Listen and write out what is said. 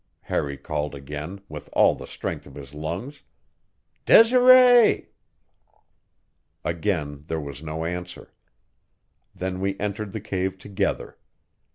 Harry called again with all the strength of his lungs. "Desiree!" Again there was no answer. Then we entered the cave together.